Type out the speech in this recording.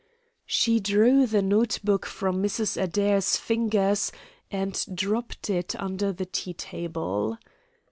She drew the note book from Mrs. Adair's fingers and dropped it under the tea table.